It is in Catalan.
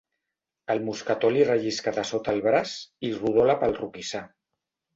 El mosquetó li rellisca de sota el braç i rodola pel roquissar.